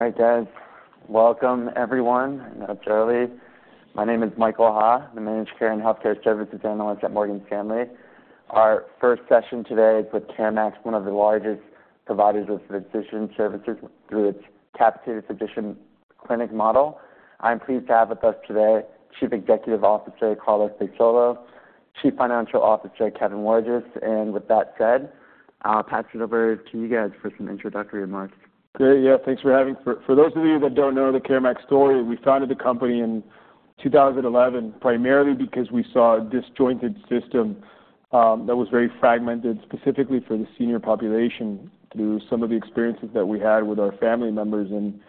All right, guys. Welcome, everyone, I know it's early. My name is Michael Ha, the Managed Care and Healthcare Services Analyst at Morgan Stanley. Our first session today is with CareMax, one of the largest providers of physician services through its capitated physician clinic model. I'm pleased to have with us today, Chief Executive Officer, Carlos de Solo, Chief Financial Officer, Kevin Wirges. And with that said, I'll pass it over to you guys for some introductory remarks. Great. Thanks for having me. For those of you who don't know the CareMax story, we founded the company in 2011, primarily because we saw a disjointed system that was very fragmented, specifically for the senior population, through some of the experiences that we had with our family members. And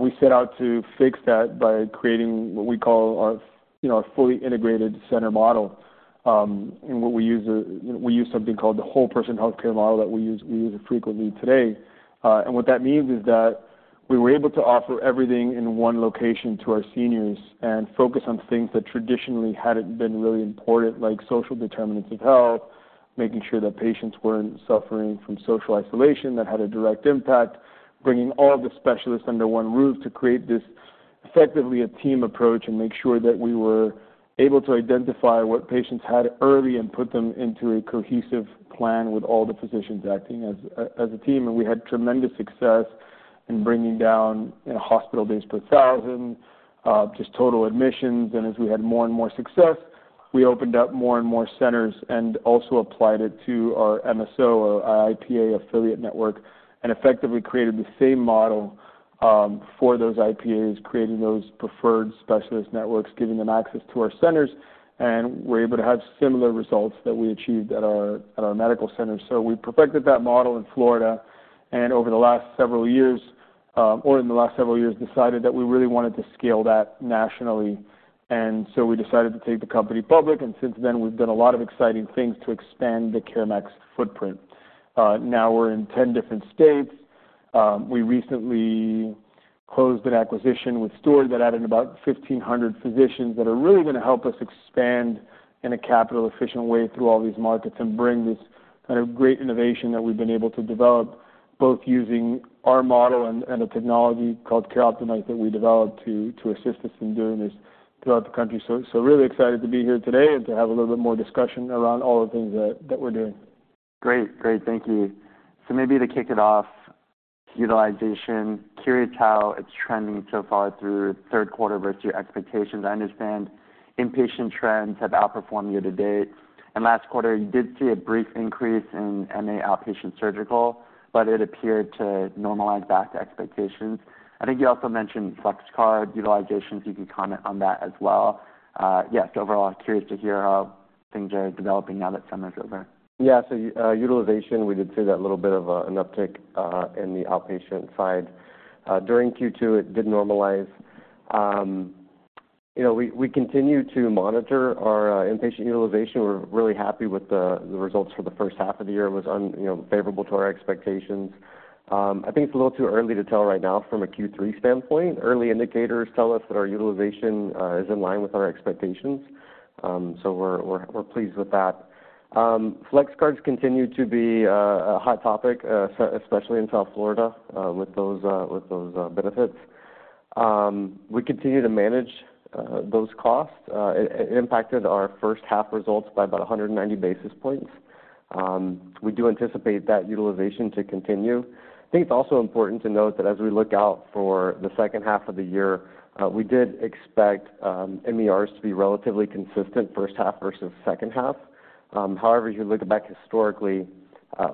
we set out to fix that by creating what we call our, you know, our fully integrated center model. And what we use, we use something called the Whole Person Healthcare Model, which, we use it frequently today. And what that means is that we were able to offer everything in one location to our seniors and focus on things that traditionally hadn't been really important, like social determinants of health, making sure that patients weren't suffering from social isolation, which had a direct impact. Bringing all the specialists under one roof to create this, effectively, a team approach, and make sure that we were able to identify what patients had early and put them into a cohesive plan with all the physicians acting as, as a team. We had tremendous success in bringing down, you know, hospital days per thousand, just total admissions. As we had more and more success, we opened up more and more centers and also applied it to our MSO, our IPA affiliate network, and effectively created the same model, for those IPAs, creating those preferred specialist networks, giving them access to our centers, and we're able to have similar results that we achieved at our, at our medical centers. So we perfected that model in Florida, and over the last several years, or in the last several years, decided that we really wanted to scale that nationally. And so we decided to take the company public, and since then, we've done a lot of exciting things to expand the CareMax footprint. Now we're in 10 different states. We recently closed an acquisition with Steward that added about 1,500 physicians that are really gonna help us expand in a capital-efficient way through all these markets, and bring this kind of great innovation that we've been able to develop, both using our model and a technology called CareOptimize, which we developed to assist us in doing this throughout the country. So really excited to be here today and to have a little bit more discussion around all the things that we're doing. Great. Great. Thank you. So maybe to kick it off, utilization. Curious how it's trending so far through third quarter versus your expectations. I understand inpatient trends have outperformed year to date, and last quarter, you did see a brief increase in MA outpatient surgical, but it appeared to normalize back to expectations. I think you also mentioned flex card utilization, if you could comment on that as well. Yes, overall, I'm curious to hear how things are developing now that summer's over. Yeah. So utilization, we did see that little bit of an uptick in the outpatient side. During Q2, it did normalize. You know, we continue to monitor our inpatient utilization. We're really happy with the results for the first half of the year. It was, you know, favorable to our expectations. I think it's a little too early to tell right now from a Q3 standpoint. Early indicators tell us that our utilization is in line with our expectations. So we're pleased with that. Flex cards continue to be a hot topic, especially in South Florida, with those benefits. We continue to manage those costs. It impacted our first half results by about 190 basis points. We do anticipate that utilization to continue. I think it's also important to note that as we look out for the second half of the year, we did expect MERs to be relatively consistent, first half versus second half. However, as you look back historically,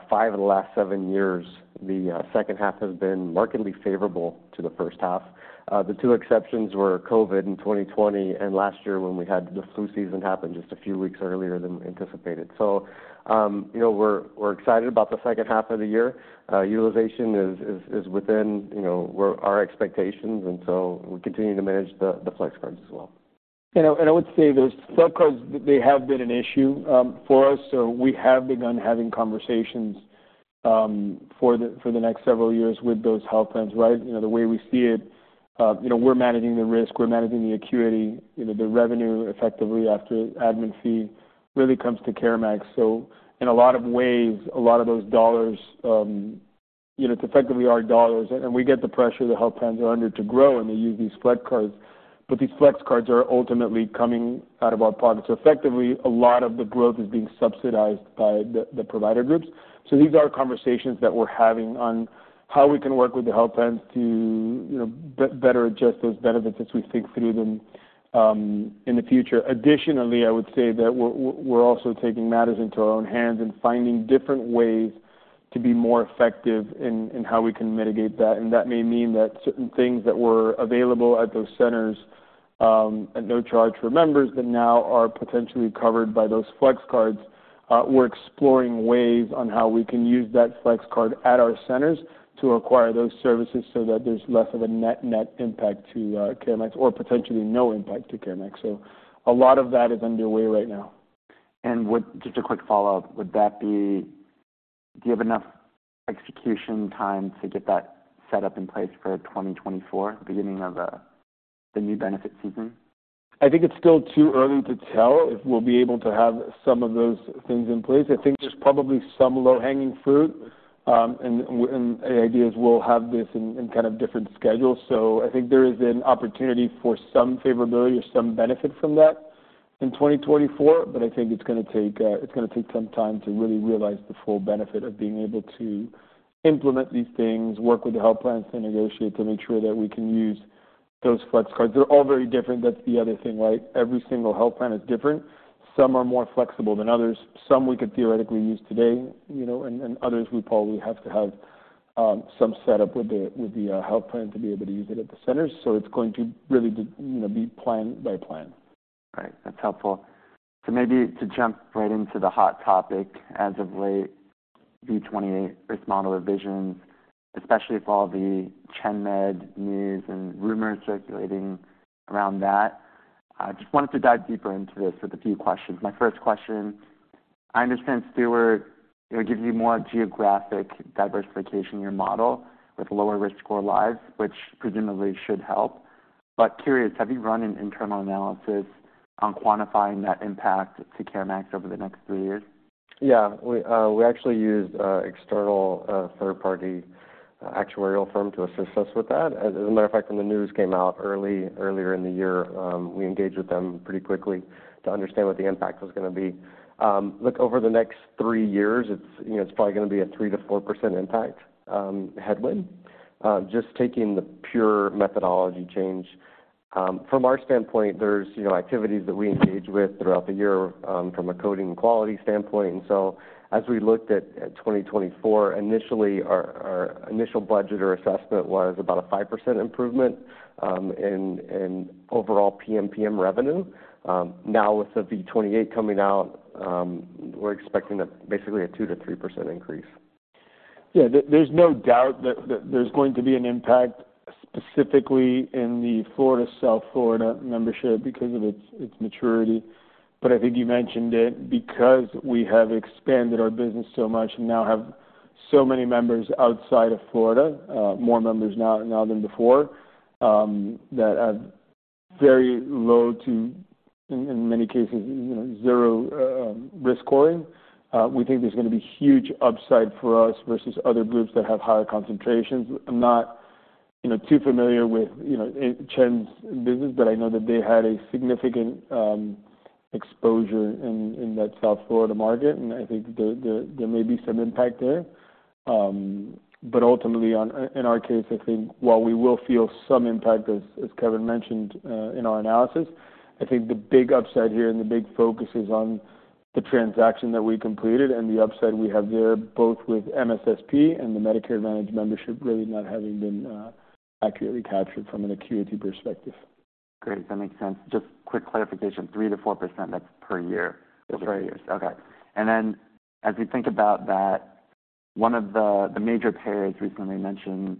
5 of the last 7 years, the second half has been markedly favorable to the first half. The two exceptions were COVID in 2020 and last year, when we had the flu season happen just a few weeks earlier than anticipated. So, you know, we're, we're excited about the second half of the year. Utilization is, is, is within, you know, we're our expectations, and so we're continuing to manage the, the flex cards as well. You know, and I would say those flex cards, they have been an issue for us, so we have begun having conversations for the, for the next several years with those health plans, right? You know, the way we see it, you know, we're managing the risk, we're managing the acuity, you know, the revenue effectively after admin fee really comes to CareMax. So in a lot of ways, a lot of those dollars, you know, it's effectively our dollars, and we get the pressure the health plans are under to grow, and they use these flex cards. But these flex cards are ultimately coming out of our pockets. So effectively, a lot of the growth is being subsidized by the, the provider groups. So these are conversations that we're having on how we can work with the health plans to, you know, better adjust those benefits as we think through them, in the future. Additionally, I would say that we're also taking matters into our own hands and finding different ways to be more effective in how we can mitigate that. And that may mean that certain things that were available at those centers, at no charge for members, that now are potentially covered by those flex cards, we're exploring ways on how we can use that flex card at our centers to acquire those services, so that there's less of a net impact to CareMax, or potentially no impact to CareMax. So a lot of that is underway right now. Just a quick follow-up. Do you have enough execution time to get that set up in place for 2024, beginning of the new benefit season? I think it's still too early to tell if we'll be able to have some of those things in place. I think there's probably some low-hanging fruit, and ideas we'll have this in, in kind of different schedules. So I think there is an opportunity for some favorability or some benefit from that in 2024, but I think it's gonna take, it's gonna take some time to really realize the full benefit of being able to implement these things, work with the health plans, to negotiate, to make sure that we can use those flex cards. They're all very different. That's the other thing, right? Every single health plan is different. Some are more flexible than others. Some we could theoretically use today, you know, and others we probably have to have some setup with the health plan to be able to use it at the center. So it's going to really be, you know, be plan by plan. Right. That's helpful. So maybe to jump right into the hot topic as of late, V28 risk model revisions, especially with all the ChenMed news and rumors circulating around that. I just wanted to dive deeper into this with a few questions. My first question, I understand Steward, it gives you more geographic diversification in your model with lower-risk score lives, which presumably should help. But curious, have you run an internal analysis on quantifying that impact to CareMax over the next three years? Yeah, we actually used external third-party actuarial firm to assist us with that. As a matter of fact, when the news came out earlier in the year, we engaged with them pretty quickly to understand what the impact was gonna be. Look, over the next three years, it's, you know, it's probably gonna be a 3%-4% impact, headwind, just taking the pure methodology change. From our standpoint, there's, you know, activities that we engage with throughout the year, from a coding quality standpoint. And so, as we looked at 2024, initially, our initial budget or assessment was about a 5% improvement, in overall PMPM revenue. Now, with the V28 coming out, we're expecting that basically a 2%-3% increase. Yeah, there's no doubt that there's going to be an impact, specifically in the Florida, South Florida membership because of its maturity. But I think you mentioned it because we have expanded our business so much and now have so many members outside of Florida, more members now than before that have very low to, in many cases, you know, zero risk scoring. We think there's gonna be huge upside for us versus other groups that have higher concentrations. I'm not, you know, too familiar with, you know, ChenMed's business, but I know that they had a significant exposure in that South Florida market, and I think there may be some impact there. But ultimately, in our case, I think while we will feel some impact, as Kevin mentioned, in our analysis, I think the big upside here and the big focus is on the transaction that we completed and the upside we have there, both with MSSP and the Medicare Advantage membership, really not having been accurately captured from an acuity perspective. Great, that makes sense. Just quick clarification, 3%-4%, that's per year? That's per year. Okay. And then as you think about that, one of the major payers recently mentioned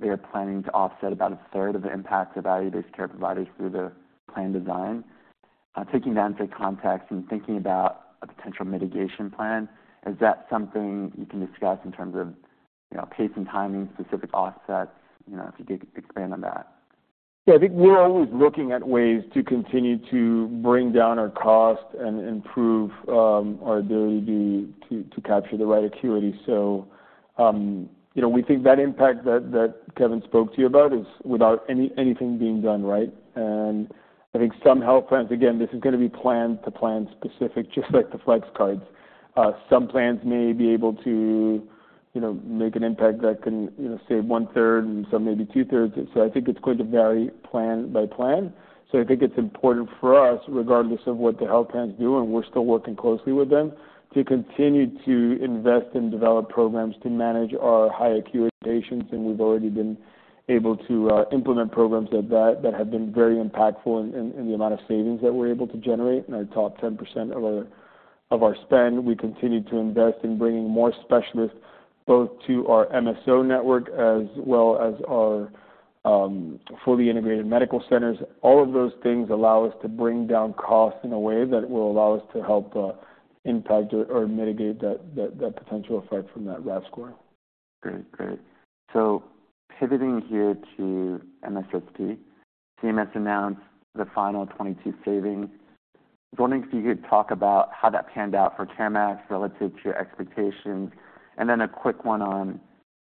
they are planning to offset about a third of the impact of Value-based care providers through the plan design. Taking that into context and thinking about a potential mitigation plan, is that something you can discuss in terms of, you know, pace and timing, specific offsets, you know, if you could expand on that? Yeah. I think we're always looking at ways to continue to bring down our cost and improve our ability to capture the right acuity. So, you know, we think that impact that Kevin spoke to you about is without anything being done, right? And I think some health plans, again, this is gonna be plan to plan specific, just like the flex cards. Some plans may be able to, you know, make an impact that can, you know, save one third and some maybe two thirds. So I think it's going to vary plan by plan. So I think it's important for us, regardless of what the health plans do, and we're still working closely with them, to continue to invest in developed programs to manage our high acuity patients. We've already been able to implement programs like that that have been very impactful in the amount of savings that we're able to generate. In our top 10% of our spend, we continue to invest in bringing more specialists, both to our MSO network as well as our fully integrated medical centers. All of those things allow us to bring down costs in a way that will allow us to help impact or mitigate that potential effect from that RAF score. Great. Great. So pivoting here to MSSP, CMS announced the final 2022 savings. I was wondering if you could talk about how that panned out for CareMax relative to your expectations. And then a quick one on,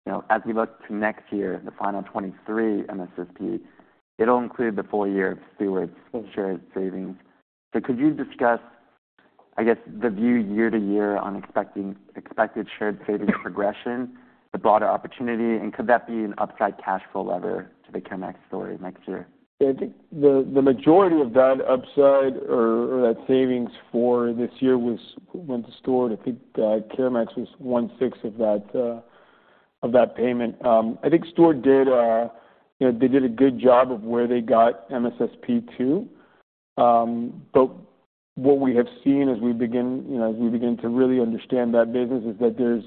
you know, as we look to next year, the final 2023 MSSP, it'll include the full year of Steward's shared savings. So could you discuss, I guess, the view year to year on expected shared savings progression, the broader opportunity, and could that be an upside cash flow lever to the CareMax story next year? I think the majority of that upside or that savings for this year went to Steward. I think CareMax was 1/6 of that payment. I think Steward did, you know, they did a good job of where they got MSSP too. But what we have seen as we begin, you know, to really understand that business, is that there's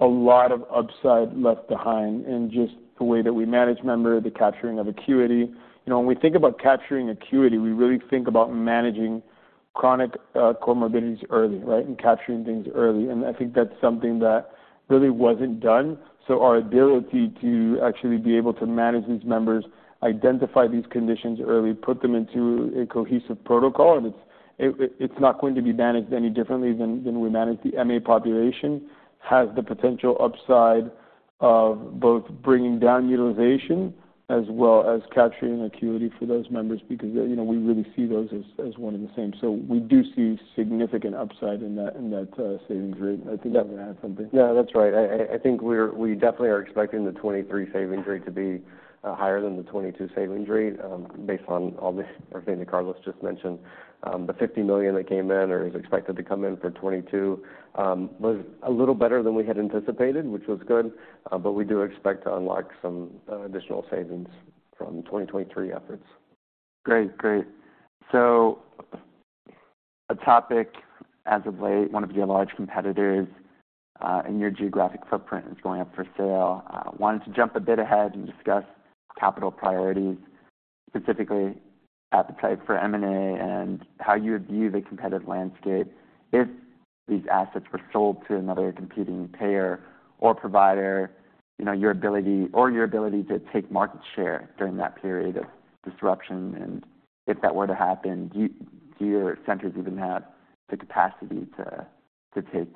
a lot of upside left behind in just the way that we manage member the capturing of acuity. You know, when we think about capturing acuity, we really think about managing chronic comorbidities early, right? And capturing things early. And I think that's something that really wasn't done. So our ability to actually be able to manage these members, identify these conditions early, put them into a cohesive protocol, and it's not going to be managed any differently than we manage the MA population, has the potential upside of both bringing down utilization as well as capturing acuity for those members, because, you know, we really see those as one and the same. So we do see significant upside in that savings rate. I think you want to add something. Yeah, that's right. I think we definitely are expecting the 2023 savings rate to be higher than the 2022 savings rate, based on all the everything that Carlos just mentioned. The $50 million that came in or is expected to come in for 2022 was a little better than we had anticipated, which was good. But we do expect to unlock some additional savings from the 2023 efforts. Great. Great. So a topic as of late, one of your large competitors in your geographic footprint is going up for sale. Wanted to jump a bit ahead and discuss capital priorities, specifically appetite for M&A, and how you view the competitive landscape if these assets were sold to another competing payer or provider, you know, your ability or your ability to take market share during that period of disruption, and if that were to happen, do you, do your centers even have the capacity to take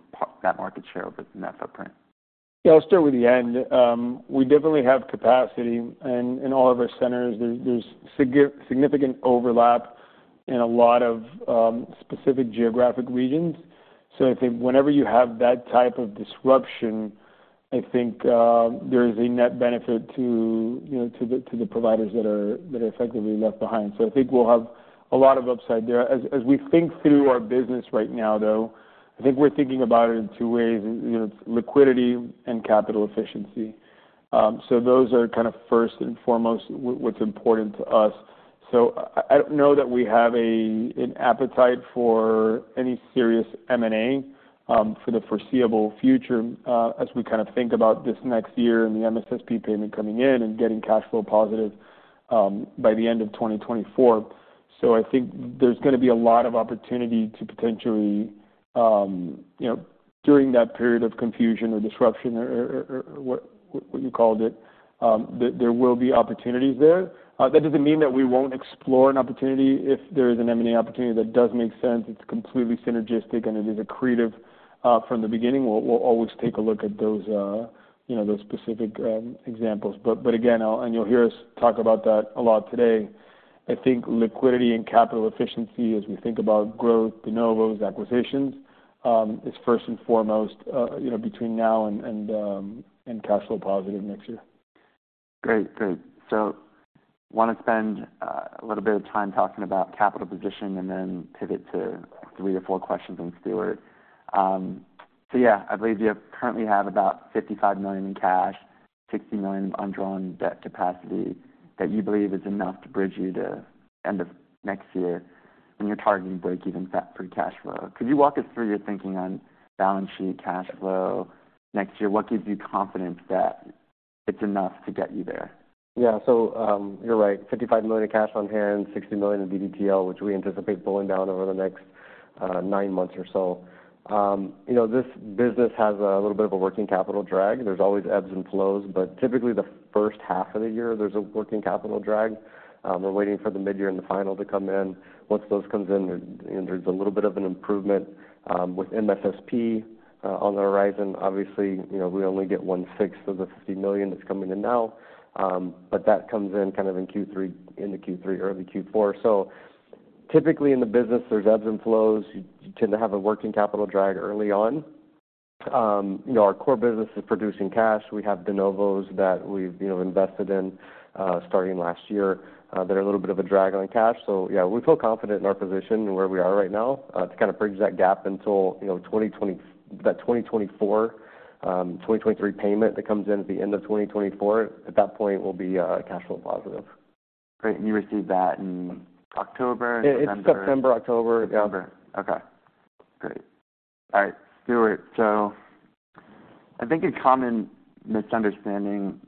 that market share within that footprint? Yeah, I'll start with the end. We definitely have capacity in all of our centers. There's significant overlap in a lot of specific geographic regions. So I think whenever you have that type of disruption, I think there is a net benefit to, you know, to the providers that are effectively left behind. So I think we'll have a lot of upside there. As we think through our business right now, though, I think we're thinking about it in two ways: you know, it's liquidity and capital efficiency. So those are kind of first and foremost what's important to us. So I don't know that we have an appetite for any serious M&A for the foreseeable future as we kind of think about this next year and the MSSP payment coming in and getting cash flow positive by the end of 2024. So I think there's gonna be a lot of opportunity to potentially you know during that period of confusion or disruption or what you called it there will be opportunities there. That doesn't mean that we won't explore an opportunity. If there is an M&A opportunity that does make sense, it's completely synergistic, and it is accretive from the beginning, we'll always take a look at those you know those specific examples. But again, and you'll hear us talk about that a lot today. I think liquidity and capital efficiency as we think about growth, de novos, acquisitions, is first and foremost, you know, between now and cash flow positive next year. Great. Wanna spend a little bit of time talking about capital position and then pivot to three or four questions on Steward. I believe you currently have about $55 million in cash, $60 million of undrawn debt capacity, that you believe is enough to bridge you to end of next year when you're targeting breakeven free cash flow. Could you walk us through your thinking on balance sheet cash flow next year? What gives you confidence that it's enough to get you there? You're right, $55 million of cash on hand, $60 million in DDTL, which we anticipate pulling down over the next nine months or so. This business has a little bit of a working capital drag. There's always ebbs and flows, but typically the first half of the year, there's a working capital drag. We're waiting for the midyear and the final to come in. Once those comes in, there, you know, there's a little bit of an improvement with MSSP on the horizon. Obviously, you know, we only get one-sixth of the $50 million that's coming in now, but that comes in kind of in Q3, end of Q3, early Q4. So typically in the business, there's ebbs and flows. You tend to have a working capital drag early on. You know, our core business is producing cash. We have de novos that we've, you know, invested in, starting last year, that are a little bit of a drag on cash. So yeah, we feel confident in our position and where we are right now, to kind of bridge that gap until, you know, 2024, 2023 payment that comes in at the end of 2024, at that point, we'll be, cash flow positive. Great. And you receive that in October? It's September, October. Yeah. October. Okay, great. All right, Steward. So I think a common misunderstanding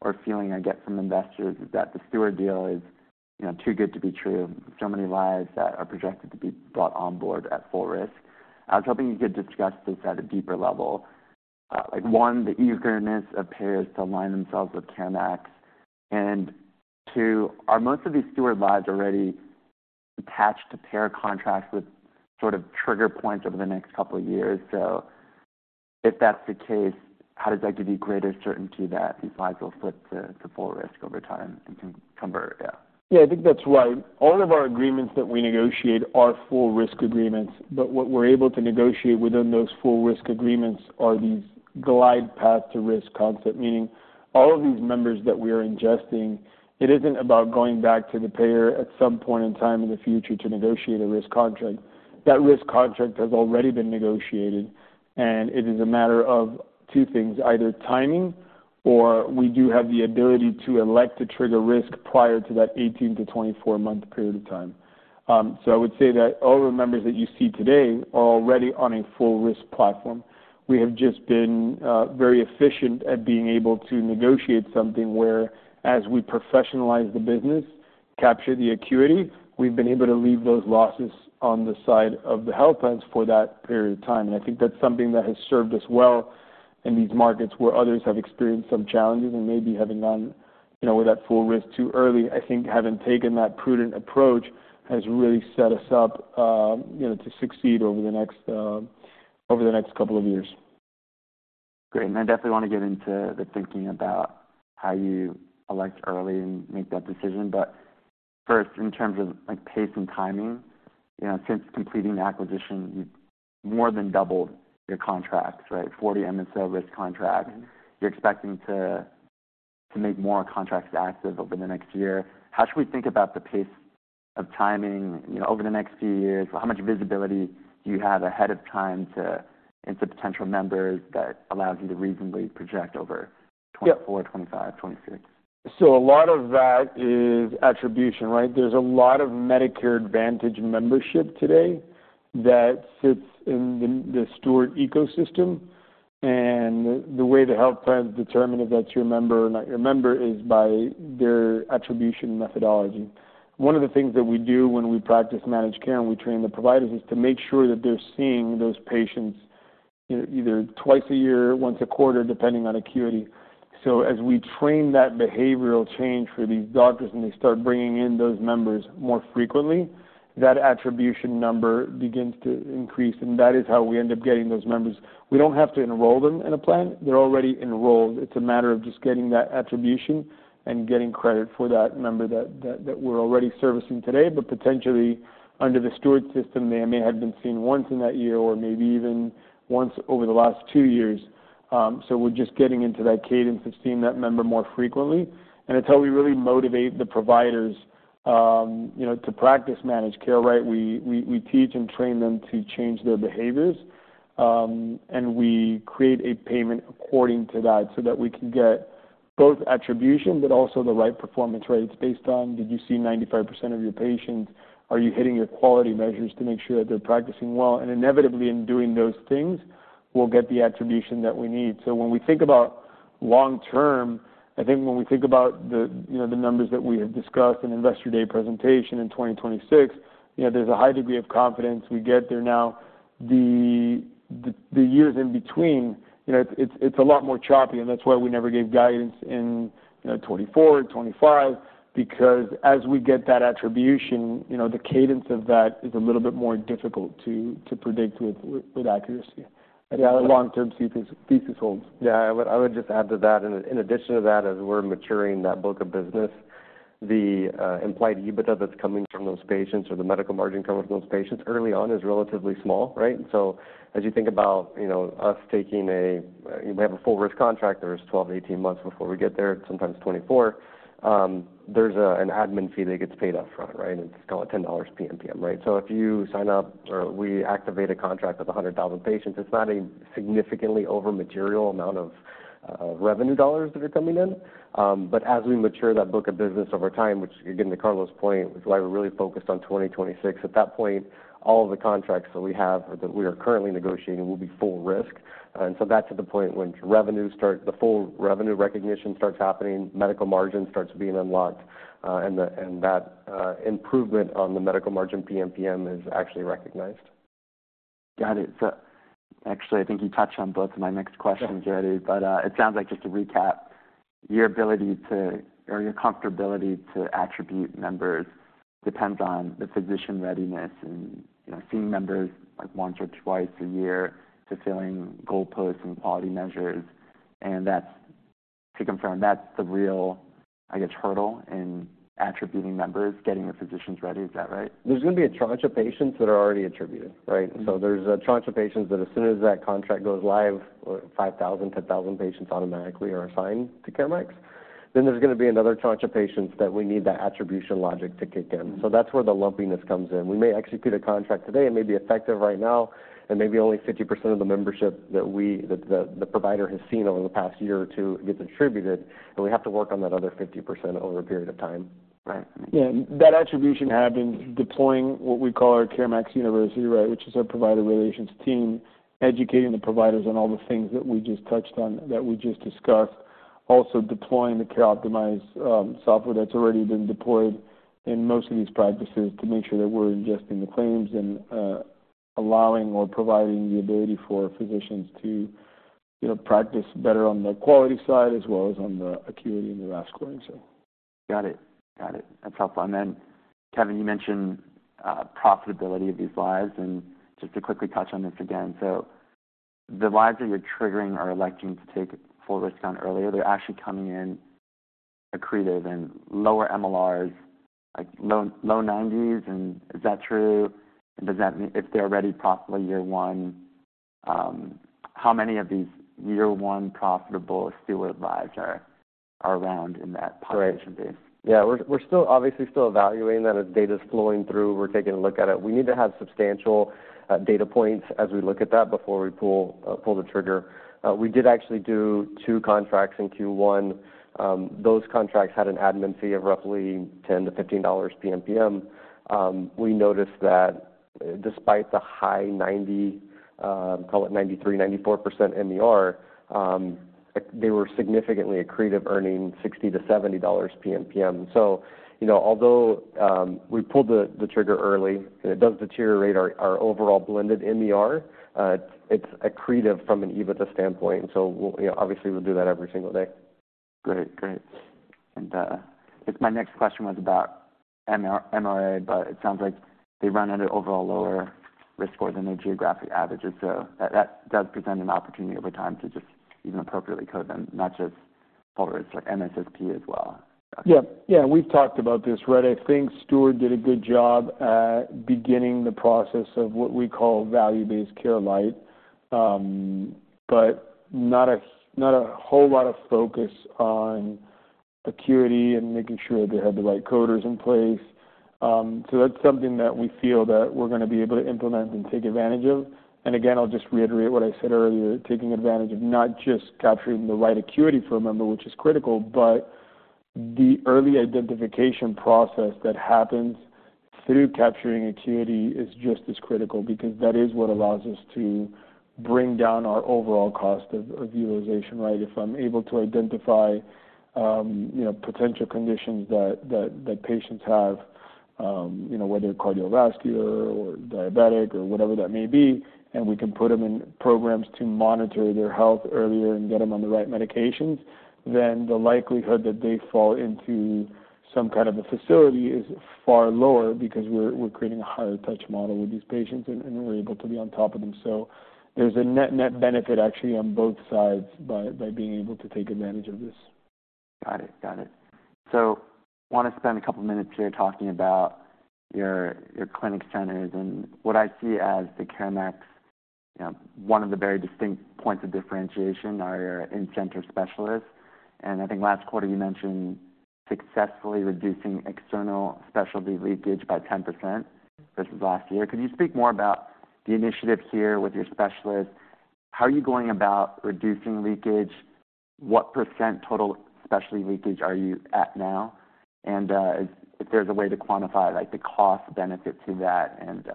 or feeling I get from investors is that the Steward deal is, you know, too good to be true. So many lives that are projected to be brought on board at full risk. I was hoping you could discuss this at a deeper level. Like, one, the eagerness of payers to align themselves with CareMax. And two, are most of these Steward lives already attached to payer contracts with sort of trigger points over the next couple of years? So if that's the case, how does that give you greater certainty that these lives will flip to full risk over time and can convert? Yeah. Yeah, I think that's right. All of our agreements that we negotiate are full risk agreements, but what we're able to negotiate within those full risk agreements are these glide path to risk concept, meaning all of these members that we are ingesting, it isn't about going back to the payer at some point in time in the future to negotiate a risk contract. That risk contract has already been negotiated, and it is a matter of two things: either timing, or we do have the ability to elect to trigger risk prior to that 18- to 24-month period of time. So I would say that all the members that you see today are already on a full risk platform. We have just been very efficient at being able to negotiate something where, as we professionalize the business capture the acuity, we've been able to leave those losses on the side of the health plans for that period of time. And I think that's something that has served us well in these markets, where others have experienced some challenges and maybe having gone, you know, with that full risk too early. I think having taken that prudent approach has really set us up, you know, to succeed over the next, over the next couple of years. Great. And I definitely want to get into the thinking about how you elect early and make that decision. But first, in terms of, like, pace and timing, you know, since completing the acquisition, you've more than doubled your contracts, right? 40 MSO risk contracts. You're expecting to make more contracts active over the next year. How should we think about the pace of timing, you know, over the next few years? How much visibility do you have ahead of time into potential members that allows you to reasonably project over 2024, 2025, 2026? So a lot of that is attribution, right? There's a lot of Medicare Advantage membership today that sits in the Steward ecosystem, and the way the health plans determine if that's your member or not your member is by their attribution methodology. One of the things that we do when we practice managed care, and we train the providers, is to make sure that they're seeing those patients, you know, either twice a year, once a quarter, depending on acuity. So as we train that behavioral change for these doctors, and they start bringing in those members more frequently, that attribution number begins to increase, and that is how we end up getting those members. We don't have to enroll them in a plan. They're already enrolled. It's a matter of just getting that attribution and getting credit for that member that we're already servicing today, but potentially under the Steward system, they may have been seen once in that year or maybe even once over the last two years. So we're just getting into that cadence of seeing that member more frequently, and it's how we really motivate the providers, you know, to practice managed care, right? We teach and train them to change their behaviors, and we create a payment according to that, so that we can get both attribution, but also the right performance rates based on, did you see 95% of your patients? Are you hitting your quality measures to make sure that they're practicing well? And inevitably, in doing those things, we'll get the attribution that we need. So when we think about long term, I think when we think about, you know, the numbers that we had discussed in Investor Day presentation in 2026, you know, there's a high degree of confidence we get there now. The years in between, you know, it's a lot more choppy, and that's why we never gave guidance in, you know, 2024, 2025, because as we get that attribution, you know, the cadence of that is a little bit more difficult to predict with accuracy. Yeah, the long-term thesis holds. Yeah, I would, I would just add to that, in, in addition to that, as we're maturing that book of business, the implied EBITDA that's coming from those patients or the medical margin coming from those patients early on is relatively small, right? So as you think about s taking a, you may have a full risk contract, there is 12-18 months before we get there, sometimes 24, there's an admin fee that gets paid up front, right? And call it $10 PMPM, right? So if you sign up or we activate a contract with 100,000 patients, it's not a significantly over material amount of revenue dollars that are coming in. But as we mature that book of business over time, which, again, to Carlos' point, is why we're really focused on 2026, at that point, all of the contracts that we have, that we are currently negotiating, will be full risk. And so that's at the point when the full revenue recognition starts happening, medical margin starts being unlocked, and that improvement on the medical margin PMPM is actually recognized. Got it. So actually, I think you touched on both of my next questions already. But, it sounds like, just to recap, your ability to, or your comfortability to attribute members depends on the physician readiness and, you know, seeing members, like, once or twice a year to filling goalposts and quality measures. And that's, to confirm, that's the real, I guess, hurdle in attributing members, getting the physicians ready. Is that right? There's going to be a tranche of patients that are already attributed, right? So there's a tranche of patients that as soon as that contract goes live, 5,000, 10,000 patients automatically are assigned to CareMax. Then there's going to be another tranche of patients that we need that attribution logic to kick in. So that's where the lumpiness comes in. We may execute a contract today, it may be effective right now, and maybe only 50% of the membership that the provider has seen over the past year or two gets attributed, and we have to work on that other 50% over a period of time, right? Yeah. That attribution happens, deploying what we call our CareMax University, right, which is our provider relations team, educating the providers on all the things that we just touched on, that we just discussed. Also, deploying the CareOptimize software that's already been deployed in most of these practices to make sure that we're ingesting the claims and, allowing or providing the ability for physicians to, you know, practice better on the quality side, as well as on the acuity and the risk scoring so. Got it. Got it. That's helpful. And then, Kevin, you mentioned profitability of these lives, and just to quickly touch on this again: So the lives that you're triggering are electing to take full risk on earlier, they're actually coming in accretive and lower MLRs, like low, low nineties. And is that true? And does that mean if they're already profitable year one, how many of these year-one profitable Steward lives are around in that population base? We're still, obviously, still evaluating that. As data flows through, we're taking a look at it. We need to have substantial data points as we look at that before we pull the trigger. We did actually do two contracts in Q1. Those contracts had an admin fee of roughly $10-$15 PMPM. We noticed that despite the high 90%, call it 93%-94% MER, they were significantly accretive, earning $60-$70 PMPM. Although we pulled the trigger early, and it does deteriorate our overall blended MER, it's accretive from an EBITDA standpoint, so we'll obviously, we'll do that every single day. Great, great. And, I guess my next question was about MRA, but it sounds like they run at an overall lower risk score than their geographic averages. So that, that does present an opportunity over time to just even appropriately code them, not just for like MSSP as well. We've talked about this, right? I think Steward did a good job at beginning the process of what we call value-based care light, but not a, not a whole lot of focus on acuity and making sure they had the right coders in place. So that's something that we feel that we're gonna be able to implement and take advantage of. And again, I'll just reiterate what I said earlier, taking advantage of not just capturing the right acuity for a member, which is critical, but the early identification process that happens through capturing acuity is just as critical, because that is what allows us to bring down our overall cost of utilization, right? If I'm able to identify potential conditions that patients have whether cardiovascular or diabetic or whatever that may be, and we can put them in programs to monitor their health earlier and get them on the right medications, then the likelihood that they fall into some a facility is far lower because we're creating a higher touch model with these patients, and we're able to be on top of them. So there's a net-net benefit actually on both sides by being able to take advantage of this. Got it. So wanna spend a couple minutes here talking about your, clinic centers and what I see as the CareMax one of the very distinct points of differentiation are your in-center specialists. And I think last quarter you mentioned successfully reducing external specialty leakage by 10% versus last year. Could you speak more about the initiative here with your specialists? How are you going about reducing leakage? What percent total specialty leakage are you at now? If there's a way to quantify, like, the cost benefit to that, and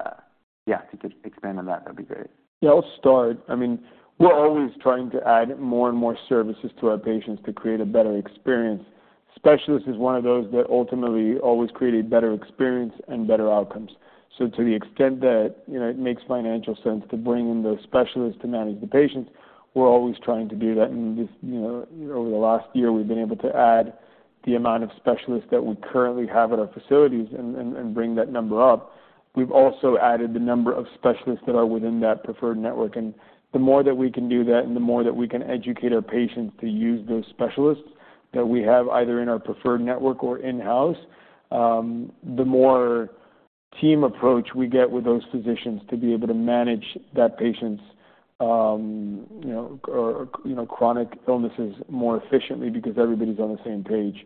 if you could expand on that, that'd be great. I'll start. I mean, we're always trying to add more and more services to our patients to create a better experience. Specialists is one of those that ultimately always create a better experience and better outcomes. So to the extent that it makes financial sense to bring in those specialists to manage the patients, we're always trying to do that. And just over the last year, we've been able to add the amount of specialists that we currently have at our facilities and bring that number up. We've also added the number of specialists that are within that preferred network, and the more that we can do that, and the more that we can educate our patients to use those specialists that we have, either in our preferred network or in-house, the more team approach we get with those physicians to be able to manage that patient's or chronic illnesses more efficiently because everybody's on the same page.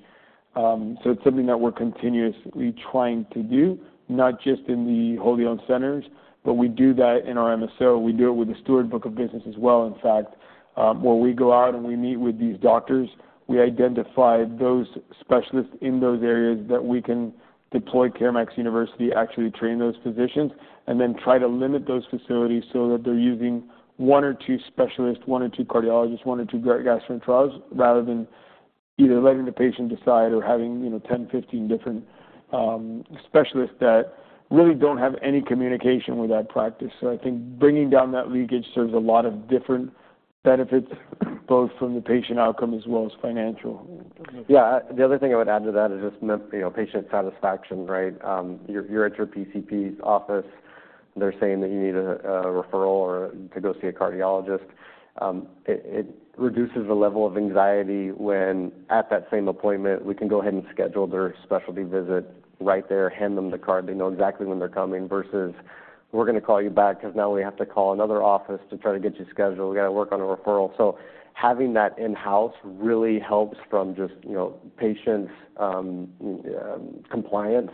So it's something that we're continuously trying to do, not just in the wholly owned centers, but we do that in our MSO. We do it with the Steward book of business as well, in fact. where we go out and we meet with these doctors, we identify those specialists in those areas that we can deploy CareMax University to actually train those physicians, and then try to limit those facilities so that they're using one or two specialists, one or two cardiologists, one or two gastroenterologists, rather than either letting the patient decide or having 10, 15 different specialists that really don't have any communication with that practice. So I think bringing down that leakage serves a lot of different benefits, both from the patient outcome as well as financial. Yeah, the other thing I would add to that is just, you know, patient satisfaction, right? You're at your PCP's office, they're saying that you need a referral or to go see a cardiologist. It reduces the level of anxiety when, at that same appointment, we can go ahead and schedule their specialty visit right there, hand them the card, they know exactly when they're coming, versus, "We're gonna call you back, 'cause now we have to call another office to try to get you scheduled. We gotta work on a referral." So having that in-house really helps from just, you know, patients' compliance,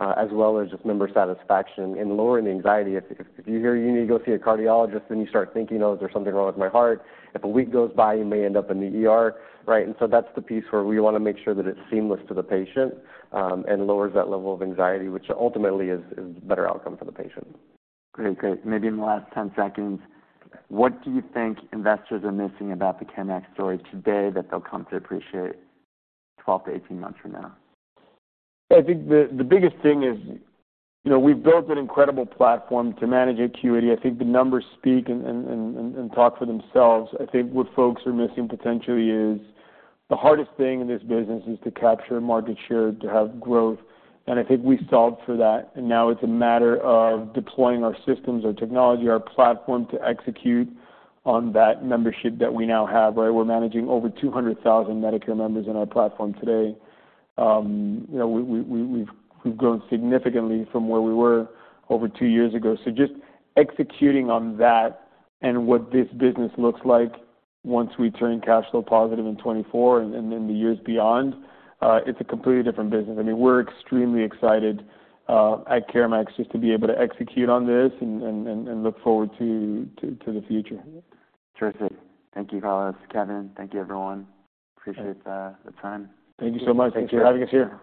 as well as just member satisfaction and lowering the anxiety. If you hear you need to go see a cardiologist, then you start thinking, "Oh, is there something wrong with my heart?" If a week goes by, you may end up in the ER, right? And so that's the piece where we wanna make sure that it's seamless to the patient, and lowers that level of anxiety, which ultimately is a better outcome for the patient. Great. Great. Maybe in the last 10 seconds, what do you think investors are missing about the CareMax story today that they'll come to appreciate 12-18 months from now? I think the biggest thing is, you know, we've built an incredible platform to manage acuity. I think the numbers speak and talk for themselves. I think what folks are missing potentially is, the hardest thing in this business is to capture market share, to have growth, and I think we solved for that, and now it's a matter of deploying our systems, our technology, our platform to execute on that membership that we now have, right? We're managing over 200,000 Medicare members on our platform today. You know, we've grown significantly from where we were over two years ago. So just executing on that and what this business looks like once we turn cash flow positive in 2024 and then the years beyond, it's a completely different business. I mean, we're extremely excited at CareMax, just to be able to execute on this and look forward to the future. Terrific. Thank you, Carlos. Kevin, thank you, everyone. Appreciate the time. Thank you so much. Thank you for having us here.